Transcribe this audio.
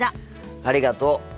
ありがとう。